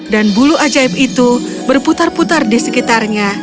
dan bulu ajaib itu berputar putar di sekitarnya